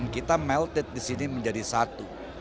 kita melted di sini menjadi satu